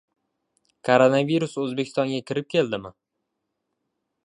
Koronavirus O‘zbekistonga kirib keldimi?